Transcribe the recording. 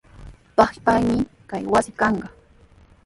Paypaqmi kay wasi kanqa.